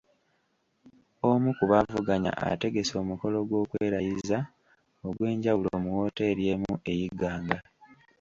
Omu ku baavuganya ategese omukolo gw'okwerayiza ogw'enjawulo mu wooteeri emu e Iganga.